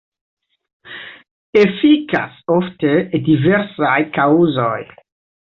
Efikas ofte diversaj kaŭzoj.